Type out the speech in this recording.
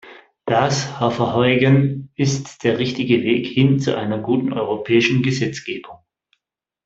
Das, Herr Verheugen, ist der richtige Weg hin zu einer guten europäischen Gesetzgebung.